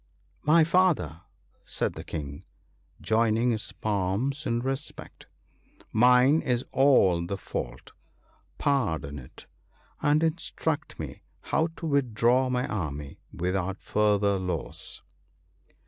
" My father !" said the King, joining his palms in re spect, " mine is all the fault ! Pardon it, and instruct me how to withdraw my army without further loss."